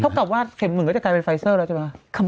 ถ้าสำหรับว่าเข็มหมึกก็กลายเป็นไฟซอร์ล่ะใช่ไหม